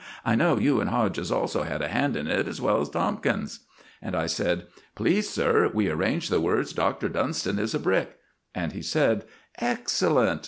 I know you and Hodges also had a hand in it, as well as Tomkins." And I said: "Please, sir, we arranged the words 'Doctor Dunston is a Brick!'" And he said: "Excellent!